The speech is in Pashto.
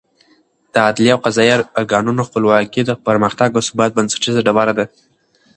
د عدلي او قضايي ارګانونو خپلواکي د پرمختګ او ثبات بنسټیزه ډبره ده.